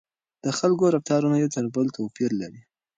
د خلکو رفتار یو تر بل توپیر لري.